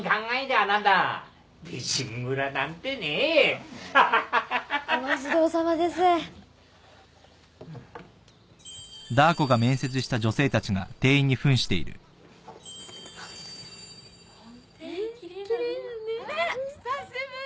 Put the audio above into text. ・あっ久しぶり！